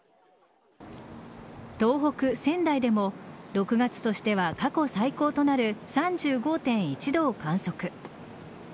東北・仙台でも６月としては過去最高となる３５．１度を観測。